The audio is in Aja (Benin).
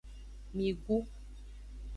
Migu.